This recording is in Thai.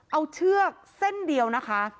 เอาเชือกเส้นเดียวนะคะ